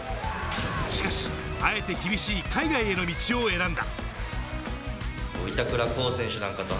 しかし、あえて厳しい海外への道を選んだ。